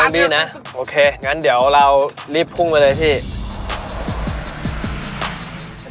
พี่นะโอเคงั้นเดี๋ยวเรารีบพุ่งไปเลยพี่